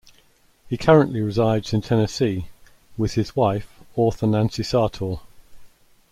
He currently resides in Tennessee with his wife, author Nancy Sartor.